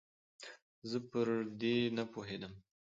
زه پر دې نپوهېدم